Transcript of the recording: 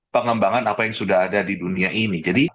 pengembangan apa yang sudah ada di dunia ini